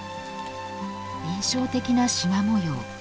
印象的な、しま模様。